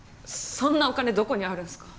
そんなお金どこにあるんですか？